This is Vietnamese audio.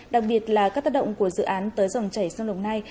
đặc biệt là các tác động của dự án tới dòng chảy sông đồng nai